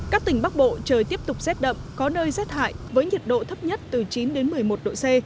các tỉnh bắc bộ trời tiếp tục rét đậm có nơi rét hại với nhiệt độ thấp nhất từ chín đến một mươi một độ c